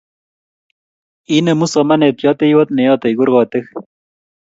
Inemu somanet yateiywot ne yatei kurkotik